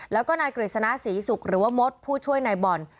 แล้วก็นายกฤษณะศรีศุกร์หรือว่ามดผู้ช่วยนายบอล